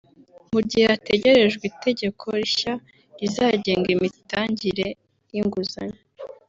Mu gihe hategerejwe itegeko rishya rizagenga imitangire y’inguzanyo